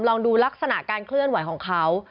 ลองดูลักษณะการเคลื่อนไหวของเขา